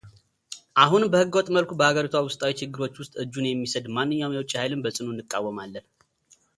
አሁንም በህገወጥ መልኩ በሀገሪቷ ውስጣዊ ችግሮች ወስጥ እጁን የሚሰድን ማንኛውም የውጭ ሃይልን በፅኑ እንቃወማለን